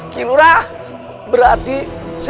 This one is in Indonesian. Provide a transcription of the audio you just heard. dan itu adalah hari terakhir aku